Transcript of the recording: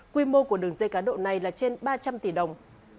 quy mô của đường dây cá độ này là trên ba trăm linh tỷ đồng